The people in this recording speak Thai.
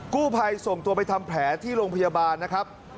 กู้ภัยส่งตัวไปทำแผลที่โรงพยาบาลนะครับ